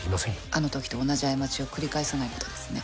あの時と同じ過ちを繰り返さないことですね。